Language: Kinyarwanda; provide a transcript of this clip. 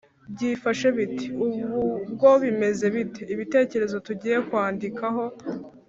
byifashe bite? Ubu bwo bimeze bite? Ibitekerezo tugiye kwandikaho